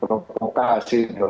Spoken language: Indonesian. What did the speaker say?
aku bukan provokasi dong